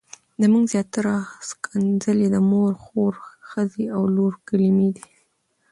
زموږ زياتره ښکنځلې د مور، خور، ښځې او لور کلمې دي.